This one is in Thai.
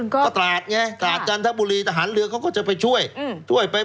ก็ตราดไงตราดจันทบุรีทหารเรือเขาก็จะไปช่วยช่วยไป